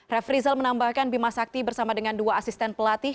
ref rizal menambahkan bima sakti bersama dengan dua asisten pelatih